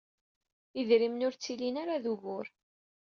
Idrimen ur d-ttilin ara d ugur.